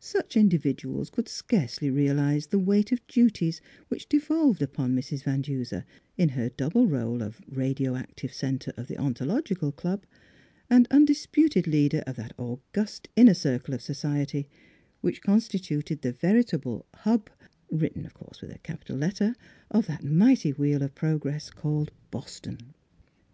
Such in dividuals could scarcely realise the weight of duties which devolved upon Mrs Van Duser, in her double role of radio active centre of the Ontological Club and undis puted leader of that august inner circle of society which constituted the veritable Hub (written of course with a capital let ter) of that mighty wheel of progress called Boston.